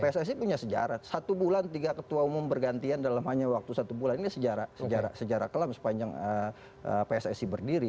pssi punya sejarah satu bulan tiga ketua umum bergantian dalam hanya waktu satu bulan ini sejarah kelam sepanjang pssi berdiri